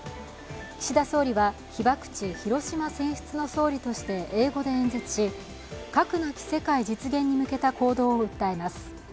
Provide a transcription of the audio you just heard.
岸田総理は被爆地・広島選出の総理として英語で演説し、核なき世界実現に向けた行動を訴えます。